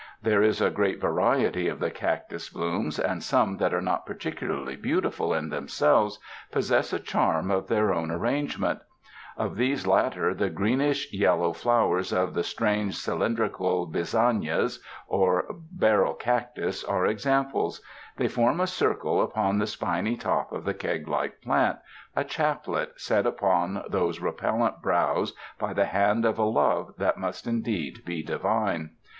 There is a great variety of the cactus blooms, and some that are not particularly beautiful in themselves possess a charm in their ar rangement. Of these latter the greenish yellow flowers of the strange, cylindrical bisnagas or bar rel cactus, are examples. They form a circle upon the spiny top of the keg like plant — a chaplet set upon those repellent brows by the hand of a Love that must indeed be divine.